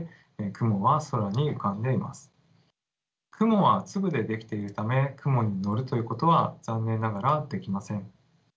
雲は粒で出来ているため雲に乗るということは残念ながらできません。